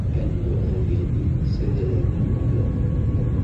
Anwa ara yalin s adrar n Umeɣlal?